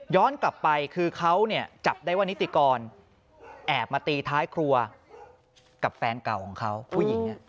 กลับไปคือเขาเนี่ยจับได้ว่านิติกรแอบมาตีท้ายครัวกับแฟนเก่าของเขาผู้หญิง